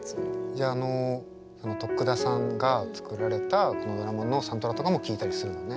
じゃああのこの得田さんが作られたこのドラマのサントラとかも聴いたりするのね。